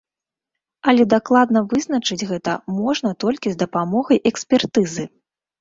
Але дакладна вызначыць гэта можна толькі з дапамогай экспертызы.